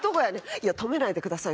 いや止めないでください